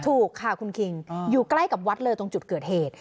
ถูกค่ะคุณคิงอยู่ใกล้กับวัดเลยตรงจุดเกิดเหตุ